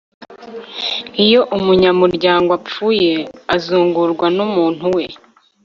iyo umunyamuryango apfuye azungurwa n'umuntu we